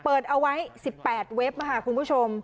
เปิดเอาไว้๑๘เว็บค่ะคุณผู้ชม